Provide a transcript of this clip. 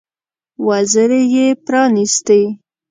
وزرې یې پرانيستې.